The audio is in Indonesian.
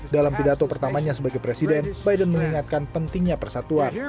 dalam pidato pertamanya sebagai presiden biden mengingatkan pentingnya persatuan